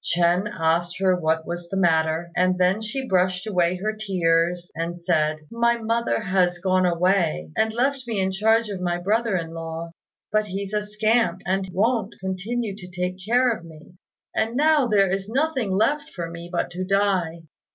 Ch'ên asked her what was the matter, and then she brushed away her tears, and said, "My mother has gone away and left me in charge of my brother in law; but he's a scamp, and won't continue to take care of me; and now there is nothing left for me but to die."